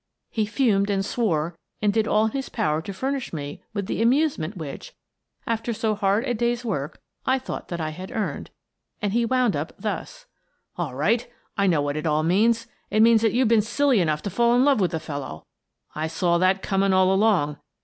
He fumed and swore and did all in his power to furnish me with the amusement which, after so hard a day's work, I thought that I had earned. And he wound up thus :" All right. I know what it all means. It means that you've been silly enough to fall in love with the fellow. I saw that coming all along.